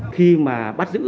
khi mà bắt cá tàu sẽ bị đánh bắt